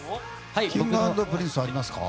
Ｋｉｎｇ＆Ｐｒｉｎｃｅありますか？